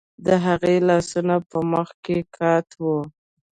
د هغې لاسونه په مخ کې قات وو